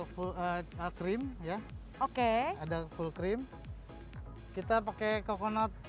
full cream ya oke ada full cream kita pakai coconut